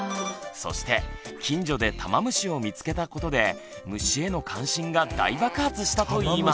そして近所でタマムシを見つけたことで虫への関心が大爆発したといいます。